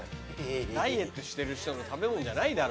ダイエットしてる人の食べ物じゃないだろ。